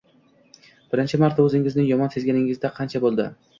Birinchi marta о’zingizni yomon sezganingizga qancha bo’ldi?